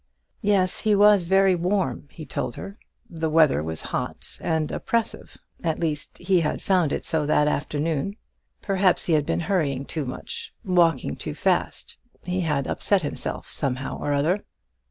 Yes, he was very warm, he told her; the weather was hot and oppressive; at least, he had found it so that afternoon. Perhaps he had been hurrying too much, walking too fast; he had upset himself somehow or other.